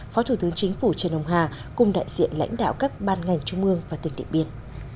phó thủ tướng chính phủ trần ông hà cùng đại diện lãnh đạo các ban ngành trung ương và tỉnh điện biên